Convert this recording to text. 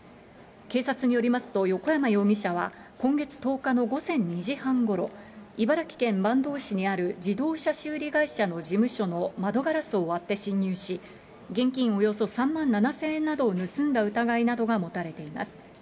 警察によりますと、横山容疑者は、今月１０日の午前２時半ごろ、茨城県坂東市にある自動車修理会社の事務所の窓ガラスを割って侵入し、現金およそ３万７０００円などを盗んだ疑いなどが持たれています。